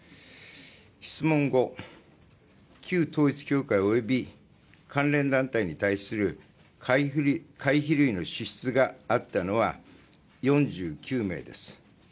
質問５、旧統一教会および関連団体に対する会費類の支出があったのは４９名です。